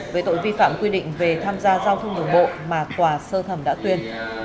về tội vi phạm quy định về tham gia giao thông đồng bộ mà quà sơ thẩm đã tuyên